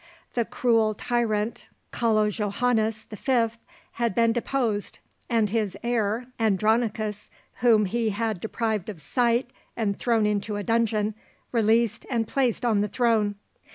The cruel tyrant Calojohannes the 5th had been deposed, and his heir Andronicus, whom he had deprived of sight and thrown into a dungeon, released and placed on the throne.